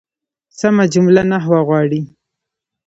سمه جمله نحوه غواړي.